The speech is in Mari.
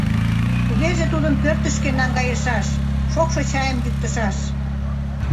— Тугеже тудым пӧртышкӧ наҥгайышаш, шокшо чайым йӱктышаш.